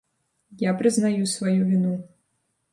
Я прызнаю сваю віну.